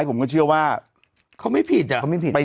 ยังไงยังไงยังไงยังไง